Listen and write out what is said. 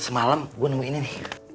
semalam saya menemukan ini